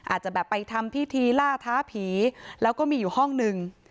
อาจจะแบบไปทำพิธีล่าท้าผีแล้วก็มีอยู่ห้องหนึ่ง